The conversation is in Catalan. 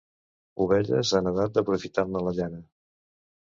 Ovelles en edat d'aprofitar-ne la llana.